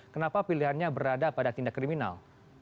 kenapa pilihannya berada pada tindak kriminal